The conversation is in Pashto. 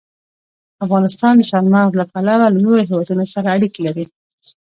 افغانستان د چار مغز له پلوه له نورو هېوادونو سره اړیکې لري.